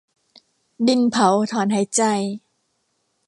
ดินเผาถอนหายใจ